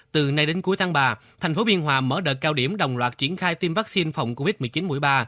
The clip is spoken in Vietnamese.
từ nay đến cuối tháng ba thành phố biên hòa mở đợt cao điểm đồng loạt triển khai tiêm vaccine phòng covid một mươi chín mũi ba